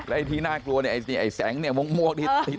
และที่น่ากลัวเนี่ยไอ้แสงเนี่ยโมงที่ตีถืออยู่เนี่ย